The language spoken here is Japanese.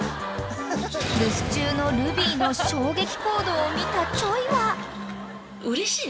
［留守中のルビーの衝撃行動を見たｃｈｏｙ？は］